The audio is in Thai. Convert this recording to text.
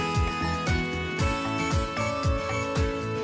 สวัสดีครับ